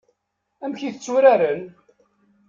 Amek i t-tturaren?